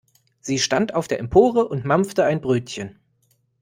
Sie stand auf der Empore und mampfte ein Brötchen.